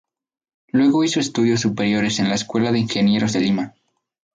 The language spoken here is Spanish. Luego hizo estudios superiores en la Escuela de Ingenieros de Lima.